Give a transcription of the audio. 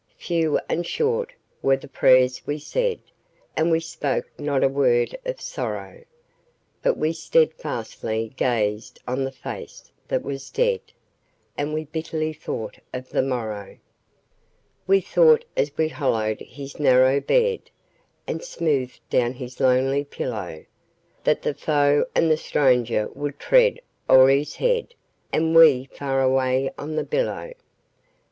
Few and short were the prayers we said, And we spoke not a word of sorrow; But we steadfastly gazed on the face that was dead, And we bitterly thought of the morrow. We thought as we hollowed his narrow bed, And smoothed down his lonely pillow, That the foe and the stranger would tread o'er his head, And we far away on the billow.